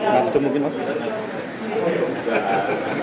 mas sudah mungkin mas